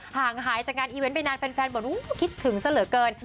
ห่างหายจากงานอีเวนต์ไปนานแฟนบอกคิดถึงซะเหลือเกิน